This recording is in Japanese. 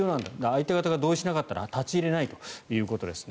相手方が同意しなかったら立ち入れないということです。